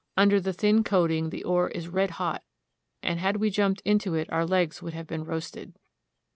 Under the thin coating the ore is red hot, and had we jumped into it our legs would have been roasted.